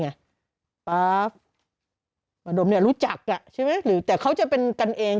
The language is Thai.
ป๊าฟมาดมเนี่ยรู้จักใช่ไหมหรือแต่เขาจะเป็นกันเอง